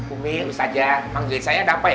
umi lu saja manggilin saya ada apa ya